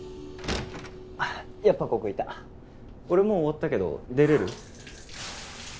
あっやっぱここいた俺もう終わったけど出れる？